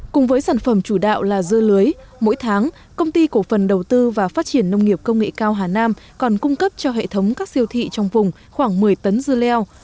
cùng với sản phẩm chủ đạo là dưa lưới mỗi tháng công ty cổ phần đầu tư và phát triển nông nghiệp công nghệ cao hà nam còn cung cấp cho hệ thống các siêu thị trong vùng khoảng một mươi tấn dưa leo